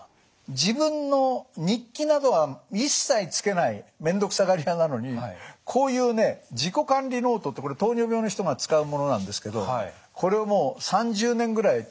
自分の日記などは一切つけない面倒くさがり屋なのにこういうね自己管理ノートってこれ糖尿病の人が使うものなんですけどこれをもう３０年ぐらいつけて。